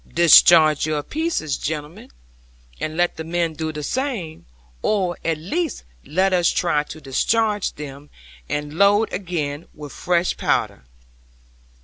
'"Discharge your pieces, gentlemen, and let the men do the same; or at least let us try to discharge them, and load again with fresh powder.